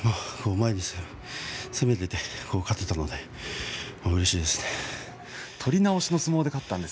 前に攻めて勝てたのでうれしいです。